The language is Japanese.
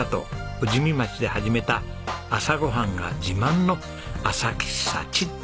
富士見町で始めた朝ごはんが自慢の朝喫茶ちっと。